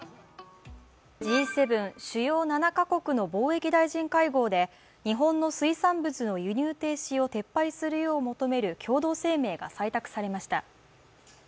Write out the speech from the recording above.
Ｇ７＝主要７か国の貿易大臣会合で日本の水産物の輸入停止を撤廃するよう求める共同声明が採択されました。